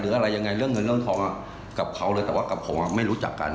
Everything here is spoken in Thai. อะไรยังไงเรื่องเงินเรื่องทองกับเขาเลยแต่ว่ากับผมไม่รู้จักกัน